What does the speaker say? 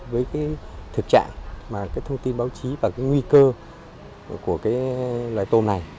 với thực trạng thông tin báo chí và nguy cơ của loại tôm này